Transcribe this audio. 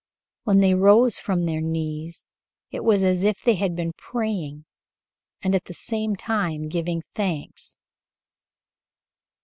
When they rose from their knees, it was as if they had been praying and at the same time giving thanks.